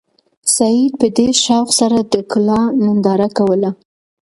سعید په ډېر شوق سره د کلا ننداره کوله.